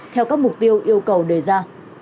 theo các mục tiêu yêu cầu đề ra